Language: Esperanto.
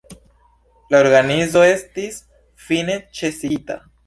La organizo estis fine ĉesigita.